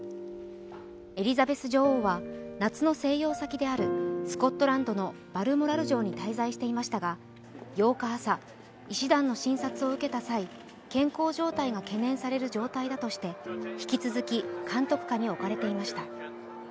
エリザベス女王は夏の静養先であるスコットランドのバルモラル城に滞在していましたが、８日朝、医師団の診察を受けた際、健康状態が懸念される状態だとして引き続き監督下に置かれていました。